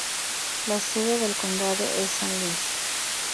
La sede del condado es San Luis.